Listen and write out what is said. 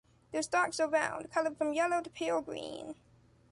Their stalks are round, colored from yellow to pale green.